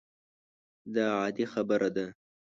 دا عادي خبره ده.